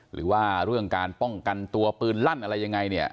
หรือว่าเรื่องการป้องกันตัวปืนลั่นอะไรยังไงเนี่ย